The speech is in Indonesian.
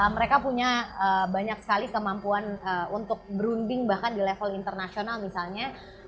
mereka punya banyak sekali kemampuan untuk berunding bahkan di level internasional misalnya